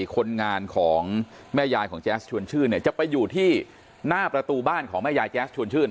คนงานของแม่ยายของแจ๊สชวนชื่นเนี่ยจะไปอยู่ที่หน้าประตูบ้านของแม่ยายแจ๊สชวนชื่น